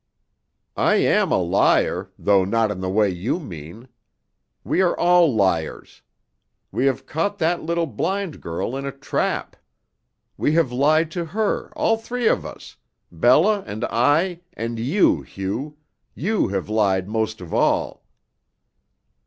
"I am a liar, though not in the way you mean. We are all liars. We have caught that little blind girl in a trap. We have lied to her, all three of us Bella and I, and you, Hugh you have lied most of all."